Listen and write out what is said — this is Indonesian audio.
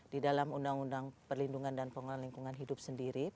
di dalam undang undang perlindungan dan pengelolaan lingkungan hidup sendiri